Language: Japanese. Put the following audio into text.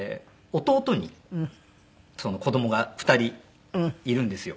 弟に子どもが２人いるんですよ。